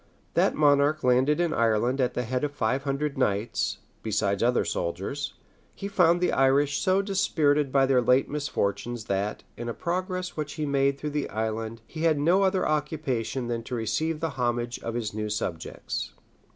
That monarch landed in Ireland at the head of five hundred knights, besides other soldiers; he found the Irish so dispirited by their late misfortunes, that, in a progress which he made through the island, he had no other occupation than to receive the homage of his new subjects.